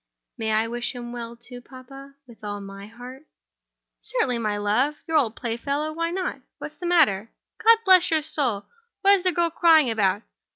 "May I wish him well too, papa—with all my heart?" "Certainly, my love—your old playfellow—why not? What's the matter? God bless my soul, what is the girl crying about?